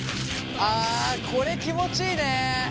あこれ気持ちいいね！